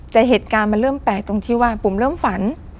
แต่เหตุการณ์มันเริ่มแปลกตรงที่ว่าปุ๋มเริ่มฝัน